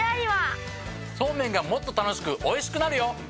そうめんがもっと楽しくおいしくなるよ！